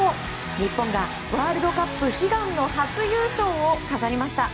日本が、ワールドカップ悲願の初優勝を飾りました。